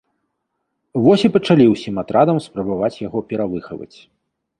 Вось і пачалі ўсім атрадам спрабаваць яго перавыхаваць.